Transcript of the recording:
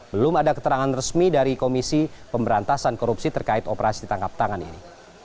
belum ada keterangan resmi dari komisi pemberantasan korupsi terkait operasi tangkap tangan ini